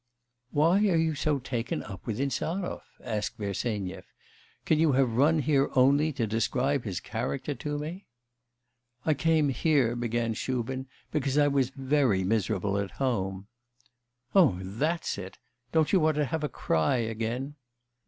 'Why are you so taken up with Insarov?' asked Bersenyev. 'Can you have run here only to describe his character to me?' 'I came here,' began Shubin, 'because I was very miserable at home.' 'Oh, that's it! Don't you want to have a cry again?